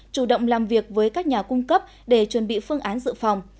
chủ động làm việc với các nhà cung cấp để chuẩn bị phương án dự phòng